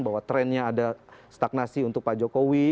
bahwa trennya ada stagnasi untuk pak jokowi